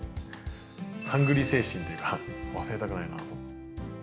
ハングリー精神というか、忘れたくないなと思って。